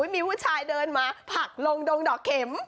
มีผู้ชายเดินมาผักลงดงดอกเข็ม